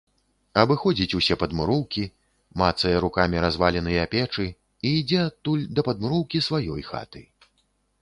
Абыходзіць усе падмуроўкі, мацае рукамі разваленыя печы і ідзе адтуль да падмуроўкі сваёй хаты.